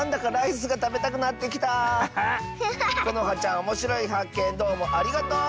このはちゃんおもしろいはっけんどうもありがとう！